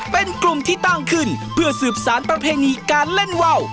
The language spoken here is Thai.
เป็นกลุ่มที่ตั้งขึ้นเพื่อสืบสารประเพณีการเล่นว่าว